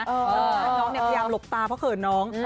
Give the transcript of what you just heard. น้องพยายามหลบตาเพราะเขินน้อง